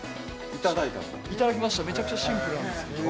いただきました、めちゃくちゃシンプルなんですけど。